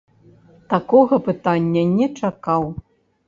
Такога пытання не чакаў.